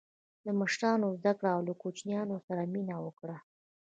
له مشرانو زده کړه او له کوچنیانو سره مینه وکړه.